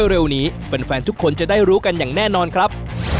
เร็วนี้แฟนทุกคนจะได้รู้กันอย่างแน่นอนครับ